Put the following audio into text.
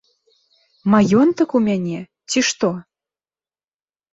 Маёнтак у мяне, ці што?